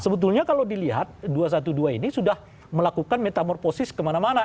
sebetulnya kalau dilihat dua ratus dua belas ini sudah melakukan metamorfosis kemana mana